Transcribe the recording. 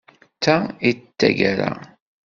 D ta i d tagara.